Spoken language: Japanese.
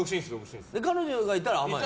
彼女がいたら甘える？